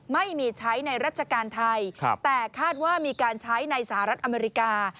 ไม่มีใช้ในราชการไทยแต่คาดว่ามีการใช้ในสหรัฐอเมริกา